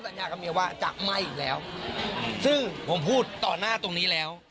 ก็บอกเมียนะก็ขอโทษเมีย